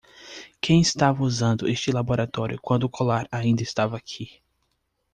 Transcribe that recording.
Quem estava usando este laboratório quando o colar ainda estava aqui?